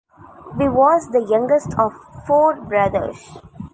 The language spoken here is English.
We was the youngest of four brothers.